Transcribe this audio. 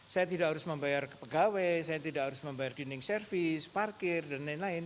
saya tidak harus membayar pegawai saya tidak harus membayar dinding service parkir dan lain lain